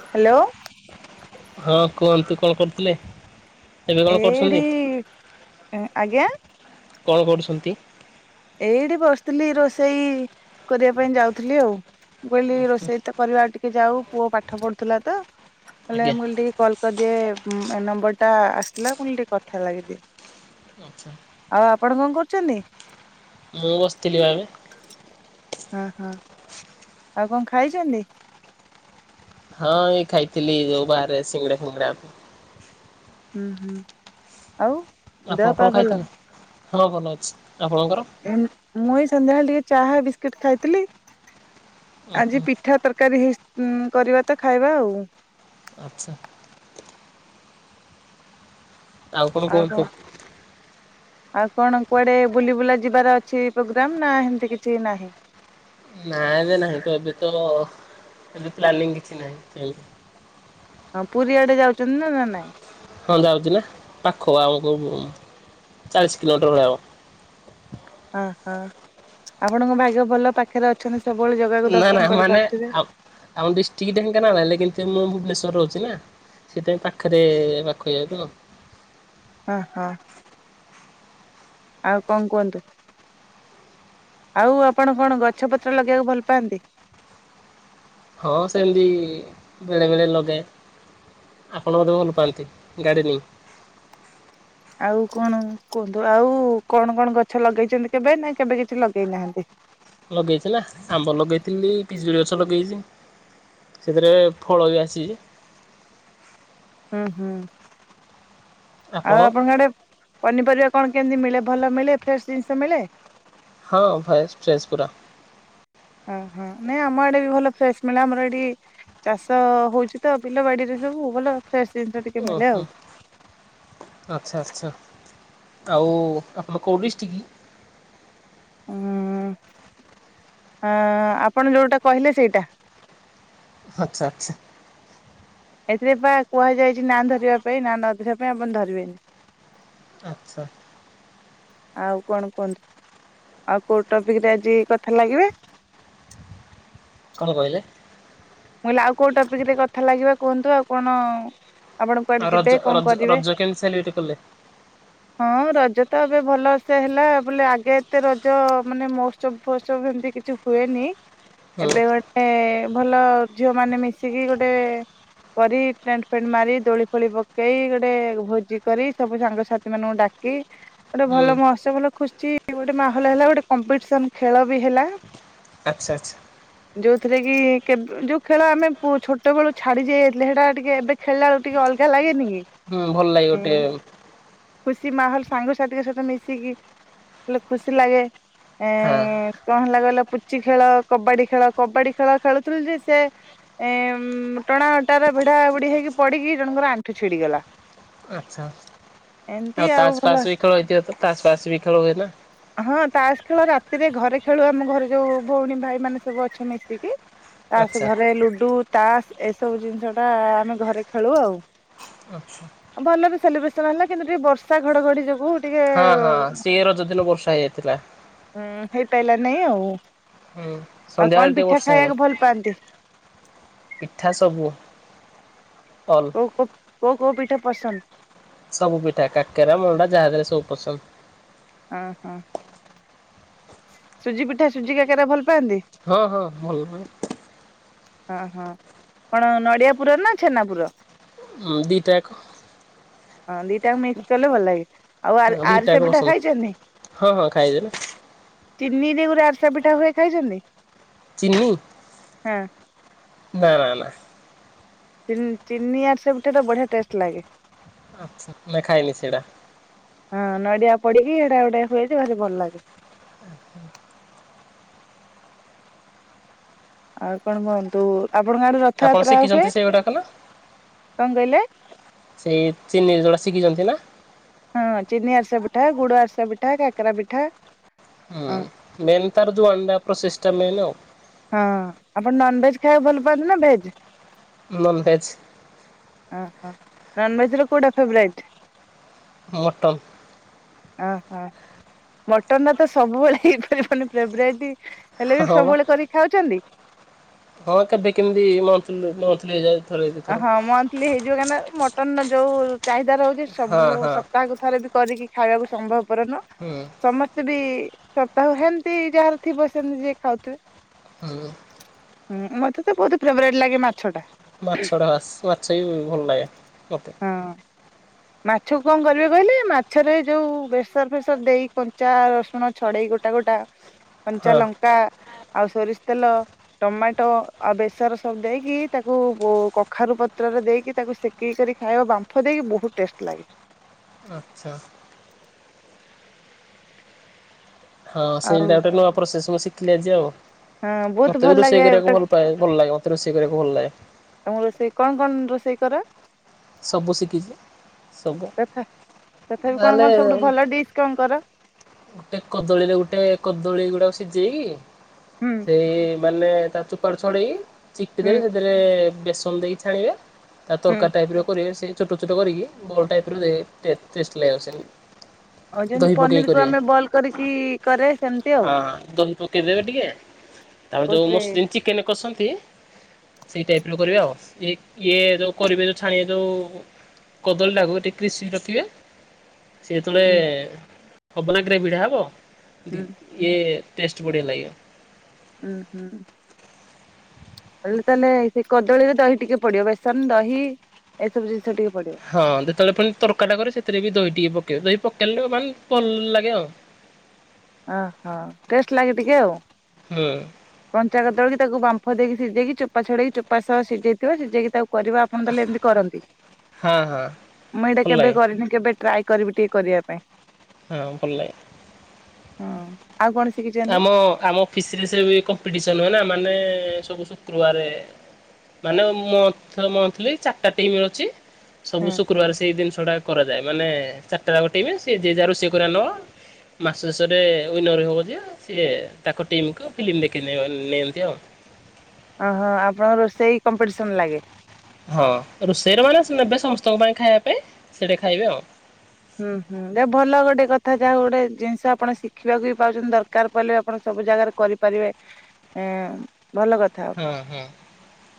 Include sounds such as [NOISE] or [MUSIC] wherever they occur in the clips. Hello. ହଁ କୁହନ୍ତୁ କଣ କରୁଥିଲେ? ଏବେ କଣ ଏ କରୁଛନ୍ତି ଡି ଆଜ୍ଞା। କଣ କରୁଛନ୍ତି? ଏଇଠି ବସିଥିଲି ରୋଷେଇ କରିବା ପାଇଁ ଯାଉଥିଲି ଆଉ।। ମୁଁ କହିଲି ରୋଷେଇ ତ କରିବା ଆଉ ଟିକେ ଯାଉ ପୁଅ ପାଠ ପଢୁଥିଲା ତ ହେଲେ ଆଜ୍ଞା ମୁ କହିଲି ଟିକେ କଲ କରିଦିଏ ନମ୍ବର ଟା ଆସିଥିଲା ପୁଣି ଟିକେ କଥା ଲାଗିଦିଏ। ଆଚ୍ଛା। ଆଉ ଆପଣ କଣ କରୁଛନ୍ତି? ମୁଁ ବସିଥିଲି ବା ଏବେ। ଓହୋ। ଆଉ କଣ ଖାଇଛନ୍ତି? ହଁ ଏଇ ଖାଇଥିଲି ଯୋଉ ବାହାରେ ସିଙ୍ଗଡା ଫିଙ୍ଗଡା। ହୁଁ ହୁଁ। ଆଉ ଦେହ ଆପଣ ପା କଣ ଭଲ? ଖାଇଥିଲେ ହଁ ଭଲ ଅଛି ଆପଣଙ୍କର। ମୁ ଏଇ ସନ୍ଧ୍ୟାବେଳେ ଟିକେ ଚାହା ବିସ୍କୁିଟ ଖାଇଥିଲି। ଉଁ ଆଜି ହୁଁ ପିଠା ତରକାରୀ ହେଇଛି କରିବା ତ ଖାଇବା ଆଉ। ଆଚ୍ଛା। ଆଉ କଣ? ଆଉ କଣ କୁଆଡେ ବୁଲି ବୁଲା ଯିବାର ଅଛି ପ୍ରୋଗ୍ରାମ ନା ଏମତି କିଛି ନାହିଁ। ନା ଏବେ ନାହିଁ ତ ଏବେ ତ ଏବେ ପ୍ଲାନିଂ କିଛି ନାହିଁ। ଆଉ ପୁରୀଆଡେ ଯାଉଛନ୍ତି ନା ନା ନାଇଁ। ହଁ ଯାଉଛି ନା ପାଖ ଆମକୁ ଚାଳିଶ କିଲୋମିଟର ଭଳିଆ ହବ। ଓହୋ ଆପଣଙ୍କ ଭାଗ୍ୟ ଭଲ ପାଖରେ ଅଛନ୍ତି ସବୁବେଲେ ଜାଗାକୁ ନା ନା ଦର୍ଶନ ମାନେ କରିପାରୁଥିବେ। ଆ ଆମ ଡିଷ୍ଟ୍ରିକ୍ ଢେଙ୍କାନାଳ ହେଲେ କିନ୍ତୁ ମୁଁ ଭୁବନେଶ୍ୱରରେ ରହୁଛି ନା। ସେଥି ପାଇଁ ପଖେରେ ପାଖ ହେଇଯାଉଥିବ। ଓହୋ। ଆଉ କଣ କୁହନ୍ତୁ ଆଉ ଆପଣ କଣ ଗଛ ପତ୍ର ଲଗେଇବାକୁ ଭଲ ପାଆନ୍ତି? ହଁ ସେମିତି ବେଳେ ବେଳେ ଲଗାଏ। ଆପଣ ବୋଧେ ଭଲ ପାଆନ୍ତି ଗାର୍ଡେନିଙ୍ଗ। ଆଉ କଣ କୁହନ୍ତୁ ଆଉ କଣ କଣ ଗଛ ଲଗେଇଛନ୍ତି କେବେ ନା କେବେ କିଛି ଲଗେଇ ନାହାନ୍ତି? ଲଗେଇଛି ନା ଆମ୍ବ ଲଗେଇଥିଲି ପିଜୁଳି ଗଛ ଲଗେଇଛି। ସେଥିରେ ଫଳ ବି ଆସିଛି। ହୁଁ ହୁଁ। ଆଉ ଆପଣ ଆପଣଙ୍କ ଆଡେ ପନିପରିବା କଣ କେମିତି ମିଳେ ଭଲ ମିଳେ ଫ୍ରେଶ ଜିନିଷ ମିଳେ? ହଁ ଭାଇ ଫ୍ରେସପୁରା। ଓହୋ ନାଇଁ ଆମ ଆଡେ ବି ଭଲ ଫ୍ରେଶ ମିଳେ ଆମର ଏଠି ଚାଷ ହଉଛି ତ ବିଲ ବାଡିରେ ସବୁ ଭଲ ଫ୍ରେଶ ଜିନିଷ ଟିକେ ମିଳେ ଆଉ। ଆଛା ଆଛା ଆଉ ଆପଣ କୋଉ ଡିଷ୍ଟିକ। ହୁଁ ଆପଣ ଯୋଉଟା କହିଲେ ସେଇଟା। ଆଚ୍ଛା ଆଚ୍ଛା। ଏଥିରେ ବା କୁହାଯାଇଛି ନା ଧରିବା ପାଇଁ ନା ନ ଧରିବା ପାଇଁ ଆପଣ ଧରିବେନି। ଆଚ୍ଛା ଆଉ କଣ କୁହନ୍ତୁ ଆଉ କୋଉ ଟପିକ ରେ ଆଜି କଥା ଲାଗିବେ। କଣ କହିଲେ? ମୁହ ଆଉ କୋଉ ଟପିକରେ କଥା ଲାଗିବା କୁହନ୍ତୁ ଆଉ କଣ ଆପଣ କୁଆଡେ ଆଉ ରଜ ଯିବେ କଣ ରଜ କରିବେ। ରଜ କେମିତି ସେଲିବ୍ରେଟ କଲେ ହଁ ରଜ ତ ଏବେ ଭଲସେ ହେଲା ବୋଲେ ଆଗେ ଏତେ ରଜ ମାନେ ମୋଷ୍ଟ ବସବ ସେମତି କିଛି ହୁଏନି ହୁଁ ଏବେ ଗୋଟେ ଭଲ ଝିଅ ମାନେ ମିଶିକି ଗୋଟେ କରି ଟେଣ୍ଟ ଫେଣ୍ଟ ମାରି ଦୋଳି ଫୋଳି ପକେଇ ଗୋଟେ ଭୋଜି କରି ସବୁ ସାଙ୍ଗସଥି ମାନଙ୍କୁ ଡାକି ଗୋଟେ ହୁଁ ଭଲ ମହତ୍ସ୍ୟ ଭଲ ଖୁସିଛି ଗୋଟେ ମାହୋଲ ହେଲା ଗୋଟେ କମ୍ପିଟିସନ ଖେଳ ବି ହେଲା ଆଚ୍ଛା ଆଚଛା ଯୋଉଥିରେ କି କେବେ ଯୋଉ ଖେଳ ଆମେ ଛୋଟବେଳୁ ଛାଡି ଯାଇ ଯାଇଥିଲେ ସେଟା ଟିକେ ଏବେ ଖେଳାେକୁ ଟିକେ ଅଲଗା ଲାଗେନି କି ହୁଁ ଭଲ ଲାଗେ ଗୋଟେ ହଁ। ଖୁସି ମାହୋଲ ସାଙ୍ଗସାଥିଙ୍କ ସହିତ ମିଶିକି ବଲେ ଖୁସି ଲାଗେ ହଁ ଏଁ କଣ ହେଲା କହିଲ ପୁଚି ଖେଳ କବାଡି ଖେଳ କବାଡି ଖେଳ ଖେଳୁଥିଲୁ ଯେ ସେ ଏ ଟଣା ଅଟାର ଭିଡା ଭୁଢ ହେଇକି ପଡିକି ଜଣଙ୍କର ଆଣ୍ଠୁ ଛିଡିଗଲା ଆଚ୍ଛା ଏମିତି ଆଉ ତାସ୍ ଭଲ ପାସ୍ ବି ଖେଳ ହେଇଥିବ ତ ତାସ୍ ପାସ୍ ବି ଖେଳ ହୁଏ ନା? ହଁ ତାସ ଖେଳ ରାତିରେ ଘରେ ଖେଳୁ ଆମ ଘରେ ଯୋଉ ଭଉଣୀ ଭାଇ ମାନେ ସବୁ ଅଛ ମିଶିକି। ତା ଆଚ୍ଛା ଘରେ ଲୁଡୁ ତାସ ଏସବୁ ଜିନିଷ ଟା ଆମେ ଘରେ ଖେଳୁ ଆଉ। ଆଚ୍ଛା ଭଲରେ ସେଲିବ୍ରେସନ ହେଲା କିନ୍ତୁ ଟିକେ ବର୍ଷା ଘଡଘଡି ଯୋଗୁ ଟିକେ ହଁ ହଁ ସିଏ ରଜଦିନ ବର୍ଷା ହେଇଯାଇଥିଲା ହୁଁ ହେଇପାରିଲା ନାଇଁ ଆଉ ହୁଁ ଆଉ ସନ୍ଧ୍ୟାବେଳେ କଣ ଟିକେ ପିଠା ବର୍ଷା ହେଇଗଲା। ଖାଇବାକୁ ଭଲ ପାଆନ୍ତି? ପିଠା ସବୁ ଅଲ କୋଉ କୋଉ କୋଉ ପିଠା ପସନ୍ଦ? ସବୁ ପିଠା କାକେରା ମୁଣ୍ଡା ଯାହାଦହରେ ସବୁ ପସନ୍ଦ ଓହୋ ସୁଜି ପିଠା ସୁଜିକା କରା ଭଲ ପାଆନ୍ତି? ହଁ ହଁ ଭଲ ପାଏ ଓ ହଁ କଣ ନଡିଆ ପୁର ନା ଛେନାପୁର? ହଁ ଦିଇଟ୍ୟାକ ହଁ ଦିଟା ମିକ୍ସ କଲେ ଭଲ ଲାଗେ ଆଉ ହଁ ଦିଟାକ ଆରିସ ପିଠା ପସନ୍ଦ ଖାଇଛନ୍ତି? ହଁ ହଁ ଖାଇଦେ ନା। ଚିନି ରେ ଗୋଟେ ଆରସା ପିଠା ହୁଏ ଖାଇଛନ୍ତି? ଚିିନି ହଁ ନାଇଁ ନାଇଁ ନାଇଁ। ଚିନି ଆରିସା ପିଠା ଟା ବଢିଆ ଟେଷ୍ଟ ଲାଗେ ଆଛା ନା ଖାଇନି ସେଇଟା ହଁ ନଡ଼ିଡିଆ ପଡିକି ଏଇଟା ଗୋଟେ ହହୁଏ ଜେ ଭାରି ଭଲ ଲାଗେ ଆଚ୍ଛା ଆଉ କଣ କୁହନ୍ତୁ ଆପଣଙ୍କ ଗାଁ ରେ ଆପଣ ରଥଯାତ୍ରା ହୁଏ ଶିଖିଛନ୍ତି ସେଇଗୁଡାକ ନା କଣ କହିଲେ ସେଇ ଚିନି ଯୋଟା ଶିଖିଛନ୍ତି ନା? ହଁ ଚିନି ଆରସା ପିଠା, ଗୁଡ ଆରସା ପିଠା, କାକରା ପିଠା। ହଁ। ମେନ୍ ତାର ଯୋଉ ଅଣ୍ଡା ପ୍ରୋସେସ ଟା ମେନ ଆଉ। ହଁ ଆପଣ ନନଭେଜ ଖାଇଆକୁ ଭଲ ପାଆନ୍ତି ନା ଭେଜ୍? ନନଭେଜ୍। ଅ ହ ନନଭେଜ ରେ କୋଉଟା ଫେବରାଇଟ୍? ଅଟନ୍। ଓହ ମଟନ ଟା ତ ସବୁବେଳେ ହେଇପାରିବନି ଫେବରାଇଟି ହେଲେ ବି ହଁ ବା ସବୁବେଳେ କରିକି ଖାଉଚନ୍ତି? ହଁ କେବେ କେମିତି ମତଲି ମନ୍ଥଲି ଯାଏ। ଅ ହଁ ମନ୍ଥଲି ହେଇଯିବ କାହିଁକିନା ମଟନ ଯୋଉ ଚାହିଦା ରହୁଛି ହଁ ସବୁ ହଁ ସପ୍ତାହକ ଥରେ ବି କରିକି ଖାଇବାକୁ ସମ୍ଭବପର ନୁଅ। ହୁଁ। ସମସ୍ତେ ବି ସପ୍ତାହ ହେମିତି ଯାହାର ଥିବ ସେମିତି ଯିଏ ଖାଉଥିବେ। ହୁଁ। ହୁଁ ମତେ ତ ବହୁତ ଫେବରାଇଟ୍ ଲାଗେ ମାଛ ଟା। ମାଛ ଟା ବାସ ମାଛ ବି ଭଲ ଲାଗେ ମତେ। ହଁ [INAUDIBLE] ମାଛକୁ କଣ କରିବେ କହିଲେ ମାଛରେ ଯୋଉ ବେସର ଫେସର ଦେଇ କଞ୍ଚା ରସୁଣ ଛଡେଇ ଗୋଟା ଗୋଟା କଞ୍ଚା ହଁ। ଲଙ୍କା ଆଉ ସୋରିଷ ତେଲ ଟମାଟୋ ଆଉ ବେସର ସବୁ ଦେଇକି ତାକୁ ଓ କଖାରୁ ପତ୍ରରେ ଦେଇକି ତାକୁ ସେକିକି କରି ଖାଇବା ବାମ୍ଫ ଦେଇକି ବହୁତ ଟେଷ୍ଟ ଲାଗେ। ଆଚ୍ଛା। ହଁ ଆଉ ସେଇଟା ଗୋଟେ ନୂଆ ପ୍ରୋସେସ ମୁଁ ଶିଖିଲି ଆଜି ଆଉ। ହଁ ବହୁତ ମତେ ଭଲ ବି ଲାଗେ ରୋଷେଇ ତା କରିଆକୁ ଭଲ ପାଏ ଭଲ ଲାଗେ ମତେ ରୋଷେଇ କରିଆକୁ ଭଲ ଲାଗେ। ତମ ରୋଷେଇ କନ କନ୍ ରୋଷେଇ କର? ସବୁ ଶିଖିଛି। ସବୁ ତଥା ତଥାପି କଣ ତାହେଲେ କଣ ସବୁଠୁ ଭଲ ଡିସ୍ କନ କର? ଗୋଟେ କଦଳୀରେ ଗୋଟେ କଦଳୀ ଗୁଡାକ ସିଜେଇକି ହୁଁ ସେଇ ମାନେ ତା ଚୋପା ଛଡେଇକି ହୁଁ ଚିପିଦେବେ ସେଥିରେ ବେସନ ଦେଇକି ଛାଣିବେ ତା ହୁଁ। ତରକାରୀ ଟାଇପ କରିଏ ସେ ଚୋଟ ଚୋଟ କରିକି ବଲ ଟାଇପର ଟେ ଟେଷ୍ଟ ଲାଗିଅ ସେମିତି। ଆଉ ଯେମିତି ଦହି ପକେଇ ପନିର କୁ କରିବେ ଆମେ ବଲ କରିକି କରେ ସେମିତି ଆଉ। ହଁ [INAUDIBLE] ଆଉ ଯେଉଁ ମୋଷିଁ ଚିକେନ କଷନ୍ତି ସେଇ ଟାଇପ ର କରିବା ଆଉ ଇଏ ଯୋଉ କରିବେ ଯୋଉ ଛାଣିବେ ଯୋଉ କଦଳୀଟା ଟାକୁ ଟିକେ କ୍ରିଶି ରଖିବେ। ସେତେଳେ ହୁଁ ହବନାଗରେ ଭିଡା ହବ ହୁଁ ଇଏ ଟେଷ୍ଟ ବଢ଼ିଆ ଲାଗିବ। ଉୁଁ ହୁଁ। ଏଲେ ତାହେଲେ ସେ କଦଳୀରେ ଦହି ଟିକେ ପଡିଅ ବେସନ ଦହି ଏସବୁ ଜିନିଷ ଟିକେ ପଡିବ। ହଁ ଯେତେବେଳେ ପୁଣି ତରକାରୀଟା କରେ ସେଥିରେ ବି ଦହି ଟିକେ ପକେଇବେ ଦହି ପକେଇଲେ ମାନେ ଭଲ ଲାଗେ ଆଉ। ଅ ହ ଟେଷ୍ଟ ଲାଗେ ଟିକେ ଆଉ। ହୁଁ କଞ୍ଚା କଦଳୀ କି ତାକୁ ବାମ୍ଫ ଦେଇକି ସିଝେଇକି ଚୋପା ଛଡେଇକି ଚୋପା ସହ ସିଝେଇଥିବେ ସିଝେଇକି ତାକୁ କରିବା ଆପଣ ତାହେଲେ ଏମତି କରନ୍ତି ହଁ ହଁ ମୁଁ ଏଇଟା ଭଲ କେବେ ଲାଗେ କରିନି କେବେ ଟ୍ରାଏ କରିବି ଟିକେ କରିଆ ପାଇଁ। ହଁ ଭଲ ଲା ହଁ। ଆଉ କଣ ସିକିଛ ଆମ ଆମ ଫିସରେ ସେବି କମ୍ପିଟିସନ ହୁଏ ନା ମାନେ ସବୁ ଶୁକ୍ରବାରେ ମାନେ ମନ୍ଥ-ମନ୍ଥଲି ଚାରିଟା ଟିମ୍ ଅଛି ସବୁ ହୁଁ ଶୁକ୍ରବାର ସେଇ ଜିନିଷ ଟା କରାଯାଏ ମାନେ ଚାରିଟା ଯା ଟେଇବେ ସେଏ ଯ ଯା ରୋଷେଇ କରିବା ନବ ମାସ ଶେଷରେ ୱନର ହବ ଯେ ସିଏ ତାଙ୍କ ଟିମ୍କୁୁ ଫିଲ୍ମ ଦେଖ ନିଅନ୍ତି ଆଉ। ଓହୋ ଆପଣଙ୍କ ରୋଷେଇ କମ୍ପିଟିସନ ଲାଗେ? ହଁ ରୋଷେଇରେ ମାନେ ନେବେ ସମସ୍ତଙ୍କ ପାଇଁ ଖାଇବା ପାଇଁ ସେଇଟା ଖାଇବେ ଆଉ। ହୁଁ ହୁଁ ଏ ଭଲ ଗୋଟେ କଥା ଯାହା ଗୋଟେ ଜିନିଷ ଆପଣ ଶିଖିବାକୁ ବି ପାଉଛନ୍ତି ଦରକାର। ବ ପେ ଆପଣ ସବୁ ଜାଗାରେ କରିପାରିବେ ଏଁ ଭଲ କଥା। ହଁ ହଁ।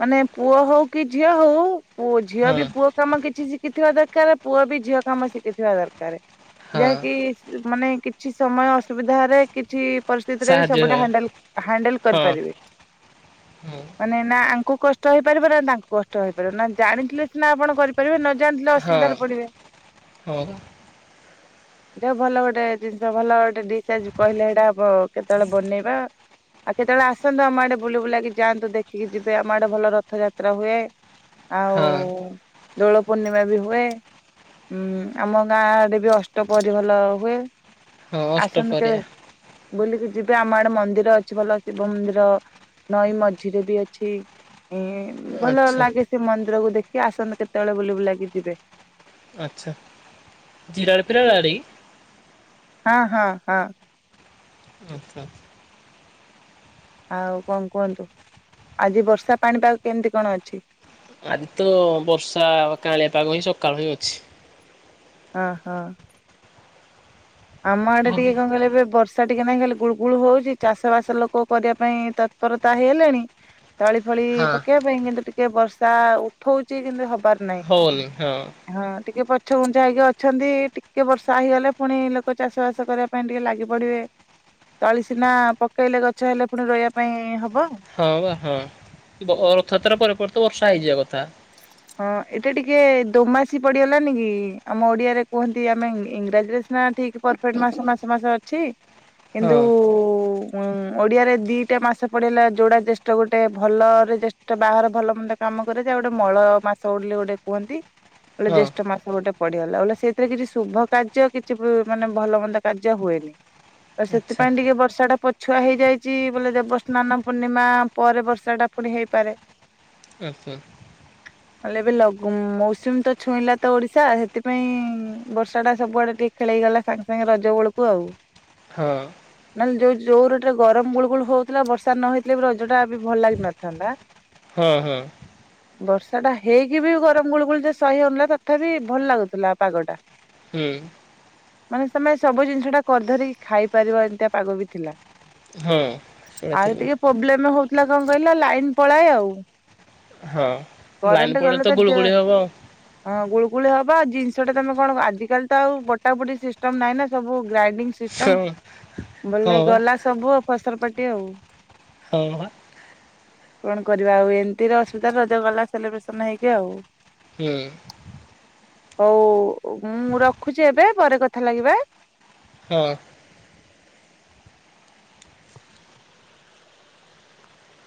ମାନେ ପୁଅ ହଉ କି ଝିଅ ହଉ, ପୁଅ ଝିଅ ହଁ ବି ପୁଅ। କାମ କିଛି ଶିଖିଥିବା ଦରକାର। ପୁଅ ବି ଝିଅ କାମ ଶିଖିଥିବା ଦରକାର। ହଁ ଯାହାକି ମାନେ କିଛି ସମୟ ଅସୁବିଧା ରେ କିଛି ପ ରେ ବି ସାହାଯ୍ୟ ସବୁା ହଣ୍ଡେଲ ହଁ କରିପାରିବେ। ହଁ ମାନେ ନା ଆଙ୍କୁ କଷ୍ଟ ହେଇପାରିବ ନା, ତାଙ୍କୁ କଷ୍ଟ ହେଇପାରିବ ନା, ଜାଣିଥିଲେ ସିନା ଆପଣ କରିପାରିବେ। ଜାଣିିଲଥିଲେ ଅସୁବିଧାରେ ପଡିବେ। ହଉ। ଦେ ଭଲ ଗୋଟେ ଜିନିଷ ଭଲ ଗୋଟେ ଡିସ୍ ଆଜି କହିଲେ ଏଇଟା କେତେବେଳେ ବନେଇବା। ଆଉ କେତେବେଳେ ଆସନ୍ତୁ ଆମ ଆଡେ ବୁ ବୁଲାକି ଯାଆନ୍ତୁ ଦେଖିକି ଯିବେ ଆମ ଆଡେ ଭଲ ରଥଯାତ୍ରା ହୁଏ। ଆଉ ହଁ ଦୋଳ ପୂର୍ଣ୍ଣିମା ବି ହୁଏ ଉଁ ଆମ ଗାଁ ଆଡେ ବି ଅଷ୍ଟପରି ଭଲ ହୁଏ ହଁ ଆସନ୍ତୁ କେବେ ଅଷ୍ଟପହରିଆ ବୁଲିକି ଯିବେ ଆମ ଆଡେ ମନ୍ଦିର ଅଛି ଭଲ ଶିବ ମନ୍ଦିର। ନଈ ମଝିରେ ବି ଅଛି ଏ ଭଲ ଆଚ୍ଛା ଲାଗେ ସେ ମନ୍ଦିରକୁ ଦେଖି ଆସନ୍ତୁ କେତେବେଳେ ବୁଲି ବୁଲାକି ଯିବେ। ଆଚ୍ଛା [UNINTELLIGIBLE] ହଁ ହଁ ହଁ। ଆଚ୍ଛାଛା। ଆଉ କଣ କୁହନ୍ତୁ ଆଜି ବର୍ଷା ପାଣିପାଗ କେମତି କଣ ଅଛି। ଆଜି ତ ବର୍ଷା କାଳିଆପାଗ ହିଁ ସକାଳୁ ହିଁ ଅଛି। ହ ହଁ। ଆମ ଆଡେ ଟିକେ କଣ ହଁ କହେ ଏବେ ବର୍ଷା ସେଠିକ ନାଇଁ ଖଲି ଗୁଳୁ ଗୁଳ ହଉଛି ଚାଷ ବାସ ଲୋକ କରିବା ପାଇଁ ତତ୍ପରତା ହେଇ ହେଲେଣି। ତଳି ଫଳି ପକେଇବା ପାଇଁ କିନ୍ତୁ ଟିକେ ବର୍ଷା ଉଠଉଛି କିନ୍ତୁ ହବାର ନାହିଁ। ହଉନି ହଁ। ହଁ ଟିକେ ପଛ ଗୁଞ୍ଚା ହେଇକି ଅଛନ୍ତି ଟିକେ ବର୍ଷା ହେଇଗଲେ ପୁଣିକ ଲୋକ ଚାଷ ବାସ କରିବା ପାଇଁ ଟିକେ ଲାଗି ପଡିବେ। ତଳି ସିନା ପକେଇଲେ ଗଛ ହେଇଲେ ପୁଣି ରହିବା ପାଇଁ ହବ। ହଁ ବା ହଁ ରଥଯାତ୍ରା ପରେ ପରେ ତ ବର୍ଷା ହେଇଯିବା କଥା। ହଁ ଏଟା ଟିକେ ଦୋମାସି ପଡିଗଲାାନ କି ଆମ ଓଡିଆରେ କୁହନ୍ତି ଆମେ ଇଂରାଜୀରେ ନା ଠିକ ପରଫେକ୍ଟ ମାସ ମାସ ମାସ ଅଛି କିନ୍ତୁ, ହଁ ଉଁ ଓଡିଆରେ ଦିଟା ମାସ ପଡେଇଲା ଯୋଉଡା ଜେଷ୍ଠ ଗୋଟେ ଭଲରେ ଜ୍ୟେଷ୍ଠ ବାହର ଭଲ ମଣ୍ଡ କାମ କରେ ଯା ଗୋଟେ ମଳ ମାସ ଗୋଡିଲେ ଗୋଟେ କୁହନ୍ତି ଗୋଟେ ହଁ ଜ୍ୟେଷ୍ଠ ମାସ ଗୋଟେ। ପଡିିଗଲା ବ ସେଇଥିରେ କିଛି ଶୁଭ କାର୍ଯ୍ୟ କିଛି ମାନେ ଭଲ ମନ୍ଦ କାର୍ଯ୍ୟ ହୁଏନି। ଆଉ ଆଚ୍ଛା ସେଥିପାଇଟିକେ ବର୍ଷାଚ ଛୁଆ ହେଇଯାଇଛି ବୋଲେ ଦେବସ୍ନାନ ପୂର୍ଣ୍ଣିମା ପରେ ବର୍ଷା ଟା ପୁଣି ହେଇପାରେ। ଆଚଛା। ନଲେ ଏବେ ଲୁ ମୌସୁମୀ ତ ଛୁଇଁଲା ତ ଓଡିଶା ସେଥିପାଇଁ ବର୍ଷା ଟା ସବୁଆଡେ ଟିକ ଖେଳ ହେ ଗଲା ସାଙ୍ଗେ ସାଙ୍ଗେ ରଜ ବେଳକୁ ଆଉ। ହଁ। ନହେଲେ ଯୋଉ ଯୋଉ ରୋଟ ଗରମ ଗୁଳ ଗୋଳ ହଉଥିଲା ବର୍ଷା ନ ହେେଇଥିଲେ ବି ରଜ ଟା ବି ଭଲ ଲାଗିିନଥାନ୍ତା। ହା [INAUDIBLE] ହଁ ହୁଁ। ବର୍ଷ ସେଟା ହେଇକି ବି ଗରମ ଗୁଳ ଗୋଳ ଯେ ସହି ହଉନଥିଲା ତଥାପି ଭଲ ଲାଗୁଥିଲା ପାଗଟା। ହୁଁ। ମାନେ ତମେ ସବୁ ଜିନିଷ ଟା କରି ଧରିକି ଖାଇପାରିବ ଏମିତିଆ ପାଗ ବି ଥିଲା। ହଁ ଆରେ ଶୁଣିଥିଲି ଟିକେ ପ୍ରୋବ୍ଲେମ ହଉଥିଲା କଣ କହିଲ ଲାଇନ ପଳାଏ ଆଉ। ହଁ ଲାଇନ୍ କରେଣ୍ଟ ପଳେଲେ ଗଲେ ତ ଯେ ଗୁଳୁଗୁଳି ହବ ଆଉ। ହଁ ଗୁଳୁଗୁଳି ହବ ଆ ଜିନିଷ ଟା ତମ କଣ ଆଜିକାଲି ତ ଆଉ ବଟା ବୁଟି ସିଷ୍ଟମ ନହିଁ ନା ସବୁ ଗ୍ରାଇଣ୍ଡିଙ୍ଗ ସିଷ୍ଟ ହଁ ମ୍ ହଁ ବୋଲେ ବା ଗଲା ସବୁ ଆ ଫସର ପାଟି ଆଉ। ହଁ ପା। କଣ କରିବା ଆଉ ଏମିତିରେ ଅସୁବିଧାରେ ରଜ ଗଲା ସେଲିବ୍ରେସନ ହେଇକି ଆଉ। ହୁଁ। ହଉ ମୁଁ ରଖୁଚି ଏବେ ପରେ କଥା ଲାଗିବା। ହଁ